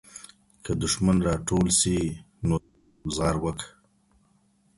که دښمن را ټول سي نو بیا ګوزار وکړه.